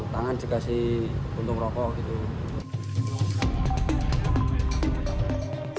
tangan dikasih untung rokok gitu